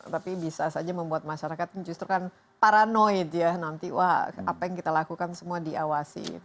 tapi bisa saja membuat masyarakat justru kan paranoid ya nanti wah apa yang kita lakukan semua diawasi